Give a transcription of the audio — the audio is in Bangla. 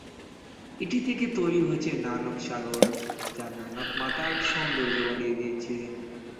এটি থেকে তৈরী হয়েছে নানক সাগর, যা নানক মাতার সৌন্দর্য বাড়িয়ে দিয়েছে।